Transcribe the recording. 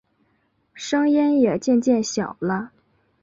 声音也渐渐小了